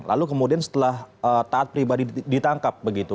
lalu kemudian setelah taat pribadi ditangkap begitu